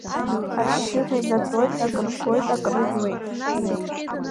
Ашьшьыҳәа инатәоит, акрырфоит, акрыржәуеит.